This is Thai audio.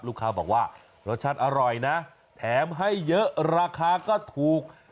ลูกค้าบอกว่ารสชาติอร่อยนะแถมให้เยอะราคาก็ถูก